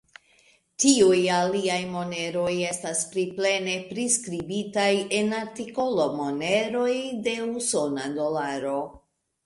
Tiuj aliaj moneroj estas pli plene priskribitaj en artikolo Moneroj de usona dolaro.